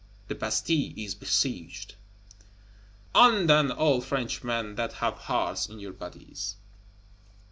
The Bastille is besieged! On, then, all Frenchmen that have hearts in your bodies!